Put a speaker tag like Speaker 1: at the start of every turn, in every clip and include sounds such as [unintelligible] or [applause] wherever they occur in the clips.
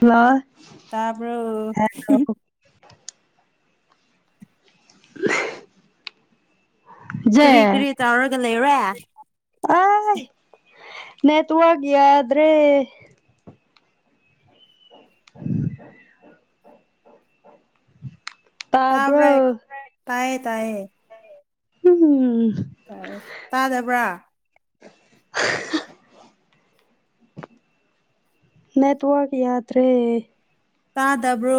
Speaker 1: Hello
Speaker 2: ꯇꯕꯔꯣ
Speaker 1: hello ꯑ
Speaker 2: ꯀꯔꯤ ꯀꯔꯤ ꯇꯧꯔꯒ ꯂꯩꯕꯔꯦ
Speaker 1: ꯑꯏ ꯅꯦꯊ ꯋꯥꯛꯌꯥꯗ꯭ꯔꯦ ꯎꯝ
Speaker 2: ꯇꯥꯕꯔ ꯑꯦꯛ
Speaker 1: ꯇꯥꯕ꯭ꯔꯣ
Speaker 2: ꯇꯑꯦ ꯇꯏꯌꯦ
Speaker 1: ꯎꯝ
Speaker 2: ꯇꯥꯏ ꯇꯥꯗꯕ꯭ꯔꯥ
Speaker 1: ꯅꯦꯠꯋꯥꯛ ꯌꯥꯗꯔꯦ
Speaker 2: ꯇꯥꯗꯕ꯭ꯔꯣ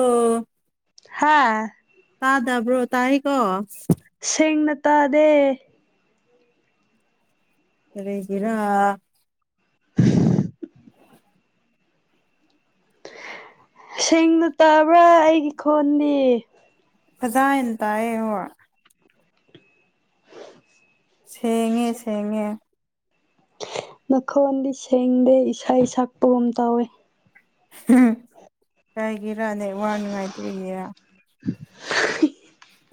Speaker 1: ꯍꯥꯥ
Speaker 2: ꯇꯥꯗꯕ꯭ꯔꯣ ꯇꯥꯏꯀꯣ
Speaker 1: ꯁꯦꯡꯅ ꯇꯥꯗꯦ
Speaker 2: ꯀꯔꯤ ꯒꯤ ꯔꯥ
Speaker 1: ꯁꯦꯡꯅ ꯇꯥꯕ꯭ꯔꯥ ꯑꯩꯒꯤ ꯈꯣꯟꯗꯤ
Speaker 2: ꯐꯖꯥ ꯏꯟ ꯇꯏꯌꯦ ꯍꯣꯏ ꯁꯦꯡꯉꯦ ꯁꯦꯡꯉꯦ
Speaker 1: ꯃꯈꯣꯟꯗꯤ ꯁꯦꯡꯗꯦ ꯏꯁꯩ ꯁꯛꯄꯒꯨꯝ ꯇꯧꯋꯦ
Speaker 2: ꯀꯥꯏꯒꯤꯔꯥ ꯅꯦ ꯋꯥꯅꯉꯥꯏꯇꯣꯏꯒꯤꯔ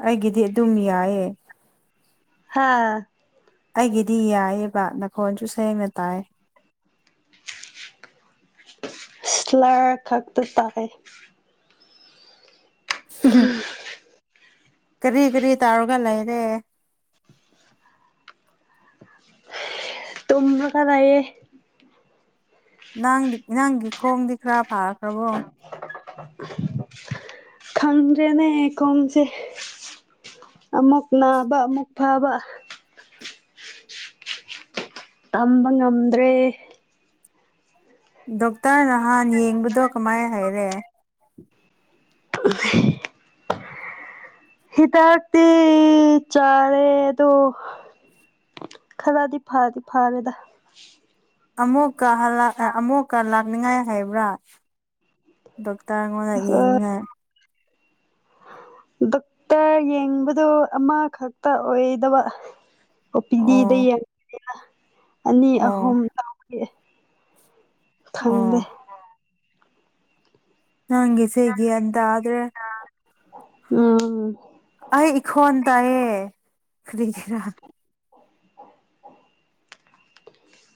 Speaker 2: ꯑꯩꯒꯤꯗꯤ ꯑꯗꯨꯝ ꯌꯥꯏꯌꯦ
Speaker 1: ꯍꯥꯥ
Speaker 2: ꯑꯩꯒꯤꯗꯤ ꯌꯥꯏꯑꯕ ꯅꯈꯣꯟꯁꯨ ꯁꯦꯡꯅ ꯇꯥꯏ
Speaker 1: ꯏꯁꯂꯔ ꯈꯛꯇ ꯇꯥꯏ ꯍꯨꯝ
Speaker 2: ꯀꯔꯤ ꯀꯔꯤ ꯇꯧꯔꯒ ꯂꯩꯔꯦ
Speaker 1: ꯇꯨꯝ ꯂ꯭ꯒꯥ ꯂꯩꯌꯦ
Speaker 2: ꯅꯪꯗꯤ ꯅꯪꯒꯤ ꯈꯣꯡꯗꯤ ꯈꯔꯥ ꯐꯥꯈ꯭ꯔꯕꯣ
Speaker 1: ꯈꯪ꯭ꯔꯦꯗ꯭ꯔꯦꯅꯦ ꯈꫭꯡꯁꯦ ꯑꯃꯨꯛ ꯅꯥꯕ ꯑꯃꯨꯛ ꯐꯥꯕ ꯇꯝꯕ ꯉꯝꯗ꯭ꯔꯦ
Speaker 2: ꯗꯣꯛꯇꯔ ꯅꯍꯥꯟ ꯌꯦꯡꯕꯗꯣ ꯀꯃꯥꯏ ꯍꯥꯏꯔꯦ
Speaker 1: [unintelligible] ꯍꯤꯗꯥꯛꯇꯤ ꯆꯥꯔꯦ ꯑꯗꫭ ꯈꯔꯗꯤ ꯐꯥꯗꯤ ꯐꯥꯔꯦꯗꯥ
Speaker 2: ꯑꯃꯨꯛꯀ ꯍꯜꯂꯥꯛ ꯑꯃꯨꯛꯀ ꯂꯥꯛꯅꯤꯉꯥꯏ ꯍꯥꯏꯕ꯭ꯔꯥ ꯗꯣꯛꯇꯔ ꯑꯩꯉꯣꯟꯗ ꯌꯦꯡꯅꯤꯉꯥꯏ
Speaker 1: ꯗꯣꯛꯇꯔ ꯌꯦꯡꯕꯗꯨ ꯑꯃꯈꯛꯇ ꯑꯣꯏꯗꯕ ꯑꯣ ꯄꯤ ꯗꯤꯗ ꯌꯦꯡꯕꯅꯤꯅ ꯑꯅꯤ
Speaker 2: ꯑꯣ
Speaker 1: ꯑꯍꯨꯝ ꯇꯕꯥꯒꯤ
Speaker 2: ꯑꯣ
Speaker 1: ꯊꯪꯗꯦ
Speaker 2: ꯅꯪꯒꯤꯁꯦ ꯒ꯭ꯌꯥꯟ ꯇꯥꯗ꯭ꯔꯦ
Speaker 1: ꯎꯝ
Speaker 2: ꯑꯩ ꯏꯈꯣꯟ ꯇꯥꯌꯦ ꯀꯔꯤꯒꯤꯔꯥ [inaudible]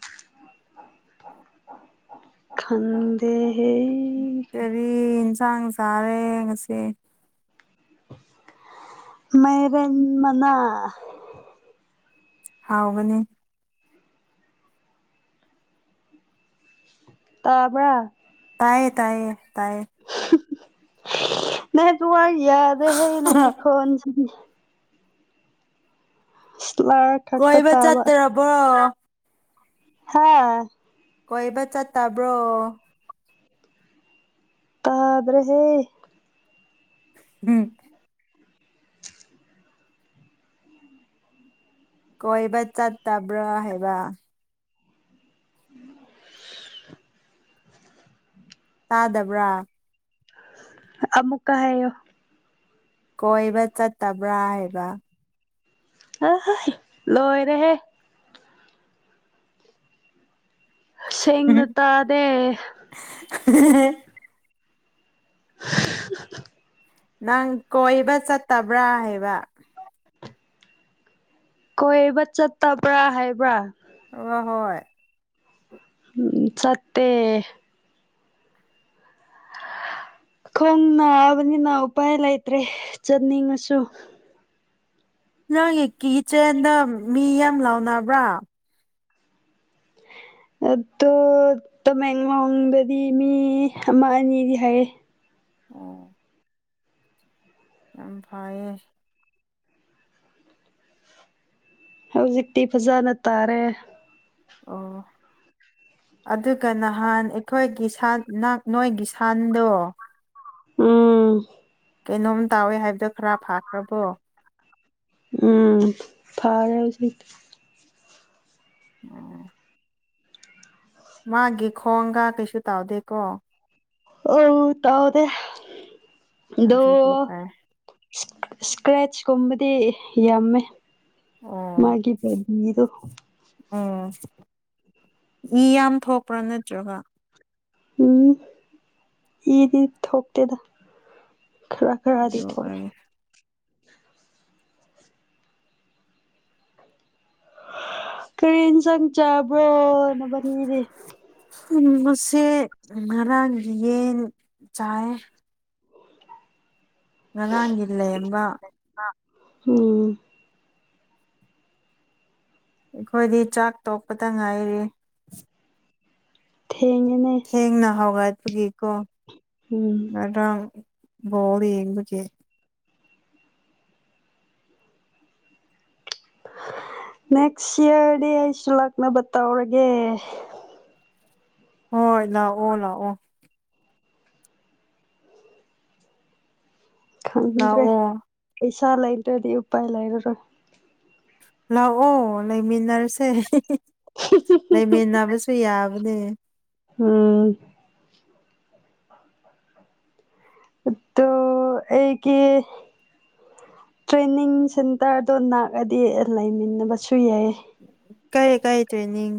Speaker 1: ꯈꯪꯗꯦꯍꯦ
Speaker 2: ꯀꯔꯤ ꯑꯦꯟꯗꯥꯡ ꯆꯥꯔꯦ ꯉꯁꯤ
Speaker 1: ꯃꯩꯔꯦꯟ ꯃꯅꯥ
Speaker 2: ꯍꯥꯎꯕꯅꯤ
Speaker 1: ꯇꯥꯕ꯭ꯔꯥ
Speaker 2: ꯇꯥꯏꯌꯦ ꯇꯥꯏꯌꯦ ꯇꯥꯏꯌꯦ
Speaker 1: ꯅꯦꯠꯋꯥꯛ ꯌꯥꯗꯦ ꯍꯦ ꯅꯪꯒꯤ ꯈꫭꯟꯖꯤꯗꯤ ꯏꯁꯂꯔꯛ ꯈꯛꯇ
Speaker 2: ꯀꯣꯏꯕ
Speaker 1: ꯇꯕ
Speaker 2: ꯆꯠꯇ꯭ꯔꯕꯣ
Speaker 1: ꯍꯥ
Speaker 2: ꯀꯣꯏꯕ ꯆꯠꯇꯕ꯭ꯔꯣ
Speaker 1: ꯇꯗ꯭ꯔꯦꯍꯦ
Speaker 2: ꯎꯝ ꯀꯣꯏꯕ ꯆꯠꯇꯕ꯭ꯔꯥ ꯍꯥꯏꯕ ꯇꯥꯗꯕ꯭ꯔꯥ
Speaker 1: ꯑꯃꯨꯛꯀ ꯍꯥꯏꯌꫭ
Speaker 2: ꯀꯣꯏꯕ ꯆꯠꯇꯕ꯭ꯔꯥ ꯍꯥꯏꯕ
Speaker 1: ꯑꯥ ꯍ ꯂꯣꯏꯔꯦꯍꯦ ꯁꯦꯡꯅ ꯇꯥꯗꯦ
Speaker 2: [unintelligible]
Speaker 1: [unintelligible]
Speaker 2: ꯅꯪ ꯀꯣꯏꯕ ꯆꯠꯇꯕ꯭ꯔꯥ ꯍꯥꯏꯕ
Speaker 1: ꯀꯣꯏꯕ ꯆꯠꯇꯕ꯭ꯔꯥ ꯍꯥꯏꯕ꯭ꯔꯥ
Speaker 2: ꯋꯥ ꯍꯣꯏ
Speaker 1: ꯎꯝ ꯆꯠꯇꯦ ꯈꯣꯡ ꯅꯥꯕꯅꯤꯅ ꯎꯄꯥꯏ ꯂꯩꯇ꯭ꯔꯦ ꯆꯠꯅꯤꯡꯉꯁꯨ
Speaker 2: ꯅꯪꯒꯤ ꯀꯤꯆꯥꯟꯗ ꯃꯤ ꯌꯥꯝ ꯂꯥꯎꯅꯕ꯭ꯔꯥ [inaudible]
Speaker 1: ꯑꯗꯣ ꯇꯃꯦꯡꯂꯣꯡꯗꯗꯤ ꯃꯤ ꯑꯃ ꯑꯅꯤꯗꯤ ꯍꯥꯏꯌꯦ
Speaker 2: ꯑꯣ ꯌꯥꯝ ꯐꯩꯌꯦ
Speaker 1: ꯍꯧꯖꯤꯛꯇꯤ ꯐꯖꯅ ꯇꯥꯔꯦ
Speaker 2: ꯑꯣ ꯑꯗꯨꯒ ꯅꯍꯥꯟ ꯑꯩꯈꯣꯏꯒꯤ ꯁꯥꯟꯅ ꯅꯣꯏꯒꯤ ꯁꯥꯟꯗꯣ
Speaker 1: ꯎꯝ
Speaker 2: ꯀꯩꯅꯣꯝ ꯇꯥꯎꯋꯦ ꯍꯥꯏꯕꯗꯣ ꯈꯔ ꯐꯥꯈ꯭ꯔꯕꯣ
Speaker 1: ꯎꯝ ꯐꯥꯔꯦ ꯍꯧꯖꯤꯛꯇꯤ
Speaker 2: ꯎꯝ ꯃꯥꯒꯤ ꯈꯣꯡꯒ ꯀꯩꯁꯨ ꯇꯥꯎꯗꯦꯀꯣ
Speaker 1: ꯑꯧ ꯇꯥꯎꯗꯦ ꯗꯣ
Speaker 2: ꯑꯗꯨꯗꯤ ꯐꯔꯦ
Speaker 1: ꯏꯁ ꯏꯁꯀ꯭ꯔꯦꯆ ꯀꯨꯝꯕꯗꯤ ꯌꯥꯝꯃꯦ
Speaker 2: ꯑꯣ
Speaker 1: ꯃꯥꯒꯤ ꯕꯕꯤꯗꯣ
Speaker 2: ꯎꯝ ꯏ ꯌꯥꯝ ꯊꯣꯛꯄ꯭ꯔꯥ ꯅꯠꯇ꯭ꯔꯒ
Speaker 1: ꯎꯝ ꯏꯗꯤ ꯊꯣꯛꯇꯦꯗ ꯈ꯭ꯔ
Speaker 2: ꯑꯗꯨ
Speaker 1: ꯈ꯭ꯔꯗꯤ ꯊꯣꯛꯑꯦ
Speaker 2: ꯑꯣꯏꯔꯦ
Speaker 1: ꯀꯔꯤ ꯏꯟꯁꯥꯡ ꯆꯥꯕ꯭ꯔꯣ ꯅꯕꯅꯤꯗꯤ
Speaker 2: ꯉꯁꯤ ꯉꯔꯥꯡꯒꯤ ꯌꯦꯟ ꯆꯥꯑꯦ ꯉꯔꯥꯡꯒꯤ ꯂꯩꯔꯝꯕ
Speaker 1: ꯎꯝ
Speaker 2: ꯑꯩꯈꯣꯏꯗꯤ ꯆꯥꯛ ꯇꯣꯛꯄꯇ ꯉꯥꯏꯔꯤ
Speaker 1: ꯊꯦꯡꯉꯦꯅꯦ
Speaker 2: ꯊꯦꯡꯅ ꯍꯧꯒꯠꯄꯒꯤꯀꯣ
Speaker 1: ꯎꯝ
Speaker 2: ꯉꯔꯥꯡ ꯕꯣꯜ ꯌꯦꯡꯕꯒꯦ
Speaker 1: ꯅꯦꯛꯁ ꯏꯌꯔꯗꯤ ꯑꯩꯁꯨ ꯂꯥꯛꯅꯕ ꯇꯧꯔꯒꯦ
Speaker 2: ꯍꯣꯏ ꯂꯥꯛꯑꯣ ꯂꯥꯛꯑꯣ
Speaker 1: ꯈꯪꯗ꯭ꯔꯦ
Speaker 2: ꯂꯥꯛꯑꯣ
Speaker 1: ꯄꯩꯁꯥ ꯂꯩꯗ꯭ꯔꯗꯤ ꯎꯄꯥꯏ ꯂꯩꯔꯔꯣꯏ
Speaker 2: ꯂꯥꯛꯑꯣ ꯂꯩꯃꯤꯟꯅꯔꯁꯦ ꯂꯩꯃꯤꯟꯅꯕꯁꯨ ꯌꯥ ꯕꯅꯦ
Speaker 1: ꯎꯝ ꯑꯠꯗꯨ ꯑꯩꯒꯤ ꯇ꯭ꯔꯦꯅꯤꯡ ꯁꯦꯟꯇꯔꯗꯣ ꯅꯥꯛꯑꯗꯤ ꯂꯩꯃꯤꯟꯅꯕꯁꯨ ꯌꯥꯏ
Speaker 2: ꯀꯔꯤ ꯀꯔꯤ ꯇ꯭ꯔꯦꯅꯤꯡ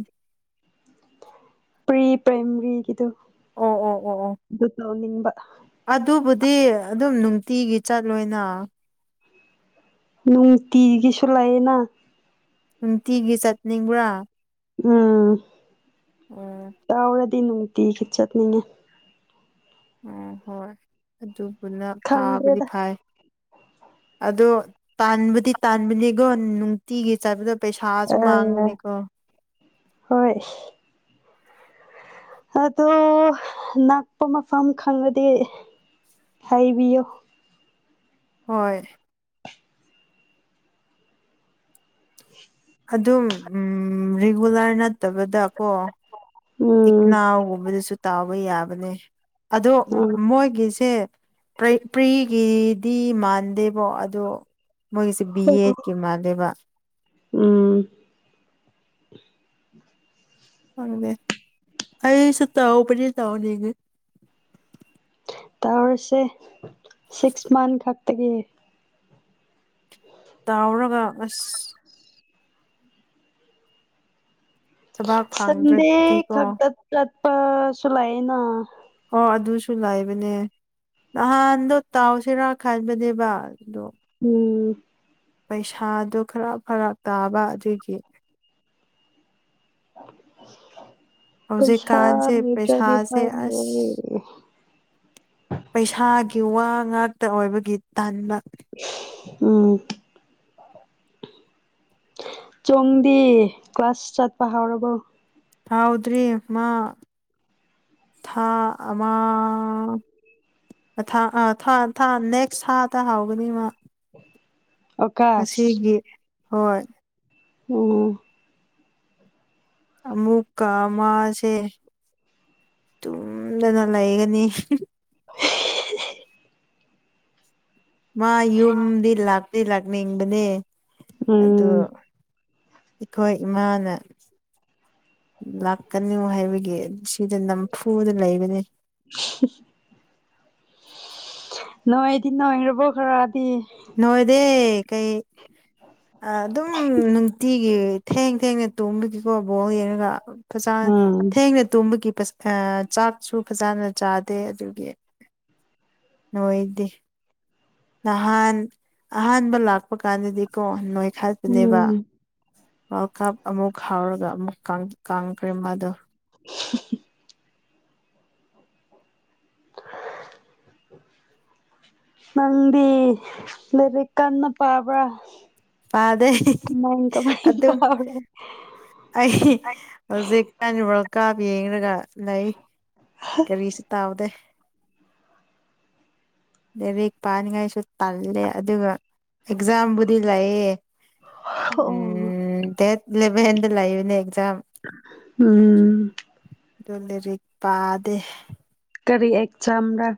Speaker 1: ꯄꯔꯤ ꯄ꯭ꯔꯥꯏꯃꯔꯤꯒꯤꯗꯨ
Speaker 2: ꯑꯣ ꯑꯣ ꯑꯣ ꯑꯣ
Speaker 1: ꯑꯗꯨ ꯇꯧꯅꯤꯡꯕ
Speaker 2: ꯑꯗꯨꯕꯨꯗꯤ ꯑꯗꯨꯝ ꯅꯨꯡꯇꯤꯒꯤ ꯆꯠꯂꯣꯏꯅꯥ
Speaker 1: ꯅꯨꯡꯇꯤꯒꯤꯁꯨ ꯂꯩꯌꯦꯅ
Speaker 2: ꯅꯨꯡꯇꯤꯒꯤ ꯆꯠꯅꯤꯡꯕ꯭ꯔꯥ
Speaker 1: ꯎꯝ
Speaker 2: ꯑꯣ
Speaker 1: ꯇꯥꯎꯔꯗꯤ ꯅꯨꯡꯇꯤꯒꯤ ꯆꯠꯅꯤꯡꯉꯦ
Speaker 2: ꯎꯡ ꯍꯣꯏ ꯑꯗꯨꯕꯨꯅ ꯐꯥꯕꯗꯤ
Speaker 1: ꯈꯪꯗ꯭ꯔꯦꯗ
Speaker 2: ꯐꯥꯏ ꯑꯗꯣ ꯇꯥꯟꯕꯗꯤ ꯇꯥꯟꯕꯅꯦꯀꯣ ꯅꯨꯡꯇꯤꯒꯤ ꯆꯠꯕꯗꯣ
Speaker 1: ꯑꯪ ꯍꯣꯏ ꯑꯗꯣ ꯅꯥꯛꯄ ꯃꯐꯝ ꯈꯪꯉꯗꯤ ꯍꯥꯏꯕꯤꯌꯣ
Speaker 2: ꯍꯣꯏ ꯑꯗꯨꯝ ꯎꯝ ꯔꯤꯒꯨꯂꯔ ꯅꯠꯇꯕꯗꯀꯣ
Speaker 1: ꯎꯝ
Speaker 2: ꯅꯥꯎꯒꯨꯝꯕꯗꯁꯨ ꯇꯥꯎꯕ ꯌꯥꯕꯅꯦ ꯑꯗꯣ
Speaker 1: ꯎꯝ
Speaker 2: ꯃꯣꯏꯒꯤꯁꯦ ꯄ꯭ꯔꯤꯒꯤꯗꯤ ꯃꯥꯟꯗꯦꯕꯣ ꯑꯗꯣ ꯃꯣꯏꯒꯤꯁꯦ ꯕꯤ ꯑꯦꯠ ꯀꯤ ꯃꯥꯜꯂꯦꯕ
Speaker 1: ꯎꯝ
Speaker 2: ꯈꯪꯗꯦ ꯑꯩ ꯁꯨ ꯇꯥꯎꯄꯗꯤ ꯇꯧꯅꯤꯡꯉꯦ
Speaker 1: ꯇꯧꯔꯁꯦ ꯁꯤꯛꯁ ꯃꯟꯊ ꯈꯛꯇꯒꯤ
Speaker 2: ꯇꯥꯎꯔꯒ ꯑꯁ ꯊꯕꯥꯛ
Speaker 1: ꯁꯟꯗꯦ
Speaker 2: ꯐꯪꯗ꯭ꯔꯗꯤꯀꯣ
Speaker 1: ꯈꯛ ꯇꯞ ꯇꯠꯄꯁꯨ ꯂꯩꯑꯦꯅ
Speaker 2: ꯍꯣ ꯑꯗꯨꯁꯨ ꯂꯩꯕꯅꯦ ꯅꯍꯥꯟꯗꯣ ꯇꯥꯎꯁꯤꯔꯥ ꯈꯟꯕꯅꯦꯕ ꯑꯗꯣ
Speaker 1: ꯎꯝ
Speaker 2: ꯄꯩꯁꯥꯗꯨ ꯈꯔ ꯐꯔꯛ ꯇꯥꯕ ꯑꯗꯨꯒꯤ
Speaker 1: ꯄꯩꯁꯥ
Speaker 2: ꯍꯧꯖꯤꯛꯀꯥꯟꯁꯦ
Speaker 1: ꯂꯩꯇꯔ꯭ꯗꯤ
Speaker 2: ꯄꯩꯁꯥꯁꯦ
Speaker 1: ꯄꯟꯂꯣꯏꯌꯦ
Speaker 2: ꯑꯁ ꯄꯩꯁꯥꯒꯤ ꯋꯥ ꯉꯥꯛꯇ ꯑꯣꯏꯕꯒꯤ ꯇꯟꯕ꯫
Speaker 1: ꯎꯝ ꯆꯨꯡꯗꯤ ꯀ꯭ꯂꯥꯁ ꯆꯠꯄ ꯍꯧꯔꯕꯣ?
Speaker 2: ꯍꯧꯗ꯭ꯔꯤ ꯃꯥ ꯊꯥ ꯑꯃꯥ ꯃꯊꯪ ꯑꯥꯥ ꯊꯥ ꯊꯥ ꯅꯦꯛꯁ ꯊꯥꯗ ꯍꯧꯒꯅꯤ ꯃꯥ꯫
Speaker 1: ꯑꯛ
Speaker 2: ꯉꯁꯤꯒꯤ ꯍꯣꯏ
Speaker 1: ꯑꯣ
Speaker 2: ꯑꯃꯨꯛꯀ ꯃꯥꯁꯦ ꯇꯨꯝꯗꯅ ꯂꯩꯒꯅꯤ꯫
Speaker 1: [unintelligible]
Speaker 2: ꯃꯥ ꯌꯨꯝꯗꯤ ꯂꯥꯛꯇꯤ ꯂꯥꯛꯅꯤꯡꯕꯅꯦ ꯑꯗꯨ
Speaker 1: ꯎꯝ
Speaker 2: ꯈꯣꯏ ꯏꯃꯥꯅ ꯂꯥꯛꯀꯅꯨ ꯍꯥꯏꯕꯒꯤ ꯗ ꯅꯝꯐꯨꯗ ꯂꯩꯕꯅꯦ
Speaker 1: ꯅꯣꯏꯗꯤ ꯅꯣꯏꯔꯕꯣ ꯈꯔꯗꯤ?
Speaker 2: ꯅꯣꯏꯗꯦ ꯀꯩ ꯑꯗꯨꯝ ꯅꯨꯡꯇꯤ ꯒꯤ ꯊꯦꯡ ꯊꯦꯡꯅ ꯇꯨꯝꯕꯒꯤꯀꯣ ꯕꯣꯜ ꯌꯦꯡꯔꯒ ꯐꯖ
Speaker 1: ꯎꯝ
Speaker 2: ꯊꯦꯡꯅ ꯇꯨꯝꯕꯒꯤ ꯄꯁ ꯑꯥ ꯆꯥꯛꯁꯨ ꯐꯖꯅ ꯆꯥꯗꯦ ꯑꯗꯨꯒꯤ ꯅꯣꯏꯗꯦ꯫ ꯅꯍꯥꯟ ꯑꯍꯥꯟꯕ ꯂꯥꯛꯄ ꯀꯥꯟꯗꯗꯤꯀꯣ ꯅꯣꯏꯈꯠꯄꯅꯦꯕ꯫
Speaker 1: ꯎꯝ
Speaker 2: ꯋꯥꯔꯜ ꯀꯞ ꯑꯃꯨꯛ ꯍꯧꯔꯒ ꯑꯃꯨꯛ ꯀꯪ ꯀꯪꯈ꯭ꯔꯦ ꯃꯥꯗꯣ꯫
Speaker 1: [unintelligible] ꯅꯪꯗꯤ ꯂꯥꯏꯔꯤꯛ ꯀꯟꯅ ꯄꯥꯕ꯭ꯔꯥ?
Speaker 2: ꯄꯥꯗꯩ
Speaker 1: ꯀꯃꯥꯏ ꯀꯃꯥꯏ
Speaker 2: ꯑꯗꯨꯝ
Speaker 1: ꯇꯧꯔꯦ?
Speaker 2: ꯑꯩ ꯍꯧꯖꯤꯛ ꯀꯥꯟ ꯋꯥꯔꯜ ꯀꯞ ꯌꯦꯡꯔꯒ ꯂꯩ ꯀꯔꯤꯁꯨ ꯇꯧꯗꯦ꯫ ꯂꯩꯔꯤꯛ ꯄꯥꯅꯤꯡꯉꯥꯏꯁꯨ ꯇꯜꯂꯦ ꯑꯗꯨꯒ ꯑꯦꯛꯖꯥꯝꯕꯨꯗꯤ ꯂꯩꯌꯦ꯫
Speaker 1: ꯑꯣ
Speaker 2: ꯎꯝ ꯗꯦꯠ ꯏꯂꯕꯦꯟꯗ ꯂꯩꯕꯅꯦ ꯑꯦꯛꯖꯥꯝ꯫
Speaker 1: ꯎꯝ
Speaker 2: ꯗꯣ ꯂꯩꯔꯤꯛ ꯄꯥꯗꯦ꯫
Speaker 1: ꯀꯔꯤ ꯑꯦꯛꯖꯥꯝꯔꯥ?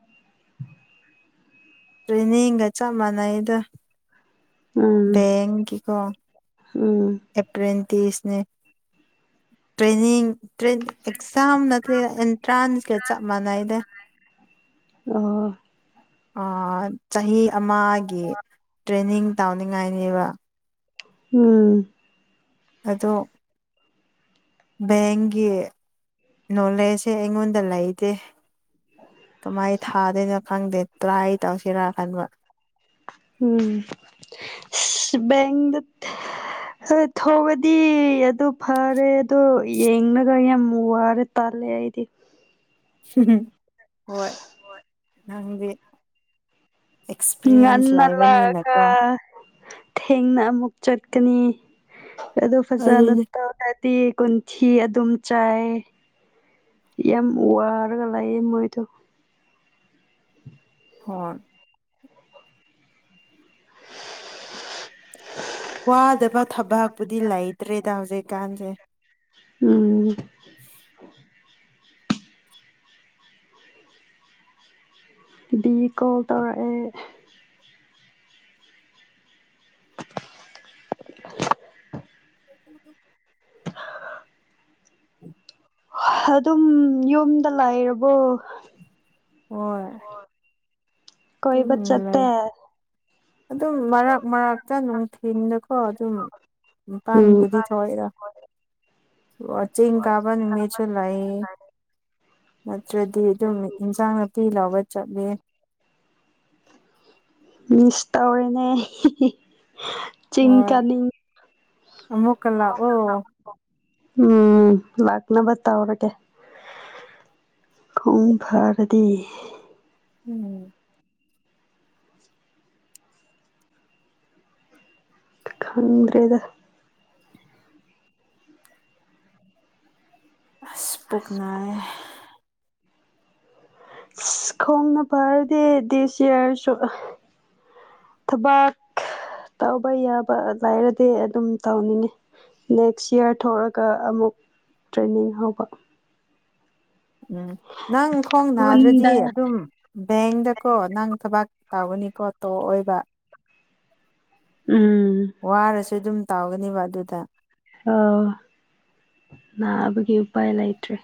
Speaker 2: ꯇ꯭ꯔꯦꯅꯤꯡꯒ ꯆꯞ ꯃꯥꯟꯅꯩꯗ꯫
Speaker 1: ꯎꯝ
Speaker 2: ꯑꯦꯡ ꯀꯤꯀꯣ
Speaker 1: ꯎꯝ
Speaker 2: ꯑꯦꯄ꯭ꯔꯦꯟꯇꯤꯁꯅꯦ ꯇ꯭ꯔꯦꯅꯤꯡ ꯇ꯭ꯔꯦꯟꯗꯤꯡ ꯑꯦꯛꯖꯥꯝ ꯅꯠꯇꯦꯗ ꯑꯦꯟꯇ꯭ꯔꯥꯟꯁꯀ ꯆꯞ ꯃꯥꯟꯅꯩꯗ꯫
Speaker 1: ꯑꯣ
Speaker 2: ꯑꯥ ꯆꯍꯤ ꯑꯃꯥꯒꯤ ꯇ꯭ꯔꯦꯅꯤꯡ ꯇꯧꯅꯤꯡꯉꯥꯏꯅꯦꯕ꯫
Speaker 1: ꯎꯝ
Speaker 2: ꯑꯗꯣ ꯕꯦꯡꯒꯤ ꯅꯣꯂꯦꯖꯁꯦ ꯑꯩꯉꯣꯟꯗ ꯂꯩꯇꯦ꯫ ꯀꯃꯥꯏ ꯊꯥꯗꯣꯏꯅꯣ ꯈꯪꯗꯦ ꯇ꯭ꯔꯥꯏ ꯇꯧꯁꯤꯔꯥ ꯈꯟꯕ꯫
Speaker 1: ꯎꯝ ꯏꯁ ꯕꯦꯡꯗ ꯊ ꯊꯧꯔꯗꯤ ꯑꯗꯨ ꯐꯔꯦ ꯑꯗꯨ ꯌꯦꯡꯂꯒ ꯌꯥꯝ ꯋꯥꯔꯦ ꯇꯜꯂꯦ ꯑꯩꯗꯤ
Speaker 2: ꯍꯣꯏ ꯅꯪꯗꯤ ꯑꯦꯛꯁꯄꯤꯔꯤꯌꯦꯟꯁ
Speaker 1: ꯉꯟꯅ ꯂꯥꯛꯑꯒ
Speaker 2: ꯂꯩꯕꯅꯤꯅꯀꯣ
Speaker 1: ꯊꯦꯡꯅ ꯑꯃꯨꯛ ꯆꯠꯀꯅꯤ ꯑꯗꯨ ꯐꯖꯅ
Speaker 2: ꯑꯗꯨꯅꯤ
Speaker 1: ꯇꯧ ꯇꯤ ꯀꯨꯟꯊꯤ ꯑꯗꯨꯝ ꯆꯥꯏ ꯌꯥꯝ ꯋꯥꯔꯒ ꯂꯥꯛꯌꯦ ꯃꯣꯏꯗꯣ
Speaker 2: ꯍꯣꯏ ꯋꯥꯗꯕ ꯊꯕꯛꯄꯨꯗꯤ ꯂꯩꯇ꯭ꯔꯦꯗ ꯍꯧꯖꯤꯛꯀꯥꯟꯁꯦ
Speaker 1: ꯎꯝ
Speaker 2: [inaudible]
Speaker 1: ꯗꯤ ꯀꯣꯜ ꯇꯧꯔꯛꯑꯦ
Speaker 2: [inaudible] [inaudible]
Speaker 1: ꯑꯗꯨꯝ ꯌꯨꯝꯗ ꯂꯥꯛꯔꯕꯣ
Speaker 2: ꯍꯣꯏ ꯑꯗꯨꯝ
Speaker 1: ꯀꯣꯏꯕ
Speaker 2: ꯂꯩ
Speaker 1: ꯆꯠꯇꯦ
Speaker 2: ꯑꯗꯨꯝ ꯃꯔꯛ ꯃꯔꯛꯇ ꯅꯨꯡꯊꯤꯟꯗꯀꯣ ꯑꯗꯨꯝ
Speaker 1: ꯎꯝ
Speaker 2: ꯃꯄꯥꯟꯕꯨꯗꯤ ꯊꯣꯛꯏꯗ ꯋꯥꯆꯤꯡ ꯀꯥꯕ ꯅꯨꯃꯤꯠꯇ ꯂꯩ ꯅꯠꯇ꯭ꯔꯗꯤ ꯑꯗꯨꯝ ꯏꯟꯁꯥꯡ ꯅꯥꯄꯤ ꯂꯥꯎꯕ ꯆꯠꯂꯦ
Speaker 1: ꯃꯤꯁ ꯇꯧꯔꯅꯦ ꯆꯤꯡ
Speaker 2: ꯍꯣꯏ
Speaker 1: ꯀꯥꯅꯤ
Speaker 2: ꯑꯃꯨꯛꯀ ꯂꯥꯛꯑꯣ
Speaker 1: ꯎꯝ ꯂꯥꯛꯅꯕ ꯇꯧꯔ ꯀꯦ ꯈꯨꯝ ꯐꯥꯔꯗꯤ
Speaker 2: ꯎꯝ
Speaker 1: ꯈꯪꯗ꯭ꯔꯦꯗ
Speaker 2: ꯑꯁ ꯄꯨꯛꯅꯥꯏ
Speaker 1: ꯈꯣꯡꯅ ꯐꯥꯔꯗꯦ ꯗꯤꯁ ꯏꯌꯥꯔꯁꯨ ꯊꯕꯛ ꯇꯧꯕ ꯌꯥꯕ ꯂꯥꯏꯔꯗꯤ ꯑꯗꯨꯝ ꯇꯧꯅꯤꯡꯉꯤ ꯅꯦꯛꯁ ꯏꯌꯥꯔ ꯊꯣꯛꯔꯒ ꯑꯃꯨꯛ ꯇ꯭ꯔꯦꯟꯅꯤꯡ ꯍꯧꯕ
Speaker 2: ꯎꯝ ꯅꯪ ꯈꯣꯡ ꯅꯥꯗ꯭ꯔꯗꯤ
Speaker 1: ꯈꯨꯟꯗ
Speaker 2: ꯑꯗꯨꯝ ꯕꯦꯡꯗꯀꯣ ꯅꯪ ꯊꯕꯥꯛ ꯇꯧꯒꯅꯤꯀꯣ ꯇꯣ ꯑꯣꯏꯕ
Speaker 1: ꯎꯝ
Speaker 2: ꯋꯥꯔꯁꯨ ꯑꯗꯨꯝ ꯇꯥꯎꯒꯅꯤꯕ ꯑꯗꯨꯗ
Speaker 1: ꯑꯣ ꯅꯥꯕꯒꯤ ꯎꯄꯥꯏ ꯂꯩꯇ꯭ꯔꯦ